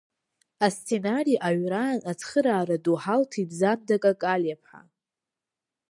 Асценари аҩраан ацхыраара ду ҳалҭеит Занда Какалиаԥҳа.